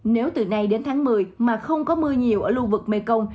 nếu từ nay đến tháng một mươi mà không có mưa nhiều ở lưu vực mekong